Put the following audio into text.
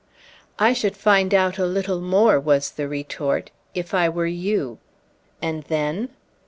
"I should find out a little more," was the retort, "if I were you!" "And then?"